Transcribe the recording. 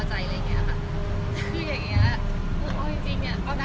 ไม่ใช่นี่คือบ้านของคนที่เคยดื่มอยู่หรือเปล่า